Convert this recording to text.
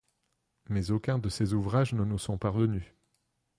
Mais aucun de ces ouvrages ne nous sont parvenus.